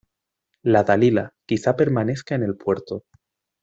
" la Dalila " quizá permanezca en el puerto: